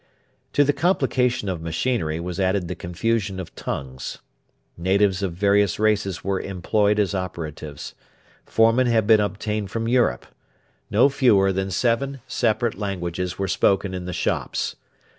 To the complication of machinery was added the confusion of tongues. Natives of various races were employed as operatives. Foremen had been obtained from Europe. No fewer than seven separate languages were spoken in the shops.